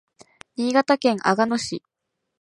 新潟県阿賀野市